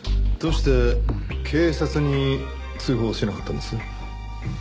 どうして警察に通報しなかったんです？